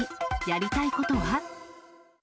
やりたいことは？